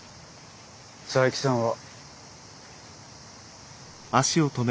佐伯さんは。